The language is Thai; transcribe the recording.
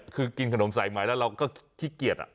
คือกินขนมสายไหมแล้วเราก็ขี้เกียจ